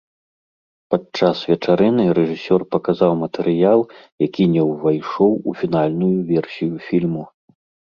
Падчас вечарыны рэжысёр паказаў матэрыял, які не ўвайшоў у фінальную версію фільму.